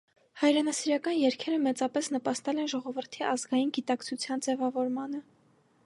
Հայրենասիրական երգերը մեծապես նպաստել են ժողովրդի ազգային գիտակցության ձևավորմանը։